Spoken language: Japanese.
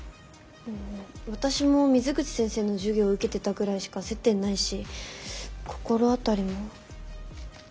私も水口先生の授業受けてたぐらいしか接点ないし心当たりも。